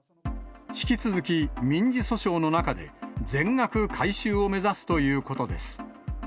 引き続き民事訴訟の中で、全額回収を目指すということです。